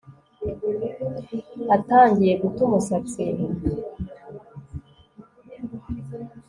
Atangiye guta umusatsi